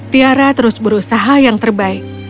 tiara terus berusaha yang terbaik